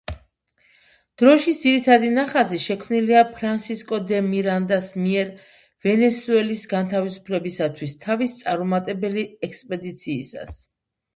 დროშის ძირითადი ნახაზი შექმნილია ფრანსისკო დე მირანდას მიერ ვენესუელის განთავისუფლებისათვის თავის წარუმატებელი ექსპედიციისას.